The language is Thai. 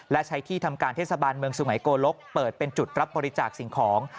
และใช้ที่ทำการเทศบาลเมืองสุไงโกลกเปิดเป็นจุดรับบริจาคสิ่งของ